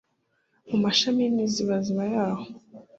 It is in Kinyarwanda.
Mu mashami y’imizibaziba yaho